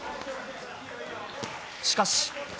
しかし。